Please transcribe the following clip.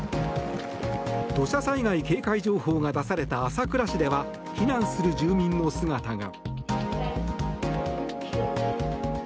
土砂災害警戒情報が出された朝倉市では避難する住民の姿が。